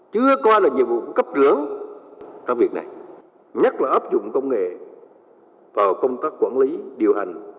chưa coi là nhiệm vụ của cấp trưởng trong việc này nhất là áp dụng công nghệ vào công tác quản lý điều hành